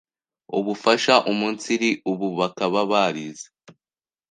ubufasha umunsiri ubu bakaba barize